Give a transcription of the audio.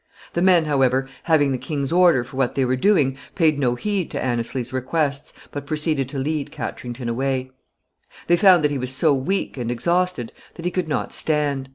The men, however, having the king's order for what they were doing, paid no heed to Anneslie's requests, but proceeded to lead Katrington away. [Sidenote: Katrington's condition.] They found that he was so weak and exhausted that he could not stand.